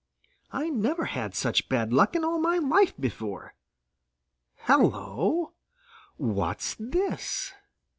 "I never had such bad luck in all my life before. Hello! What's this?"